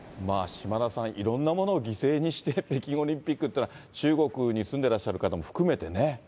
島田さん、いろんなものを犠牲にして、北京オリンピックっていうのは、中国に住んでらっしゃる方も含めてね。